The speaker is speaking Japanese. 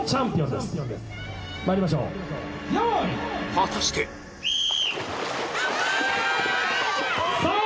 果たして⁉さぁ